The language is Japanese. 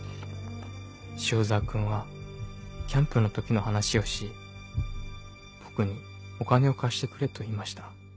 塩澤君はキャンプの時の話をし僕にお金を貸してくれと言いました。